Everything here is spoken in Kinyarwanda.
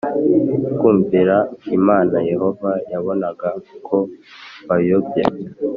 Kumvira imana yehova yabonaga ko bayobye